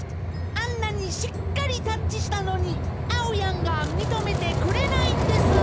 あんなにしっかりタッチしたのにあおやんがみとめてくれないんです。